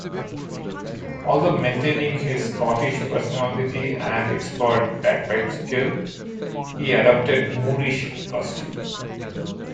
Although maintaining his Scottish personality and expert bagpipe skill, he adopted Moorish costume.